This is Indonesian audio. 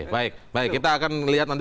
baik baik kita akan lihat nanti